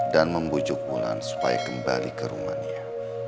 dan membujuk bulan supaya kembali ke rumah dia